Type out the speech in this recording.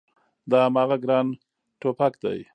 دا هماغه ګران ټوپګ دی